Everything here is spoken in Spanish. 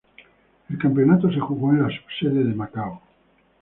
El campeonato se jugó en la subsede de Macao.